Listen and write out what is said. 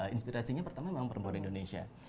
inspirasinya pertama memang perempuan indonesia